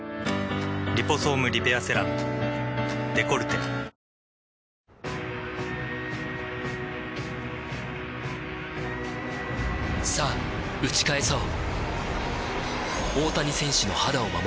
「リポソームリペアセラムデコルテ」さぁ打ち返そう